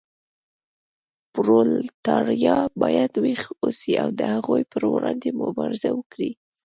پرولتاریا باید ویښ اوسي او د هغوی پر وړاندې مبارزه وکړي.